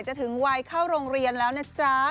ถึงวัยเข้าโรงเรียนแล้วนะจ๊ะ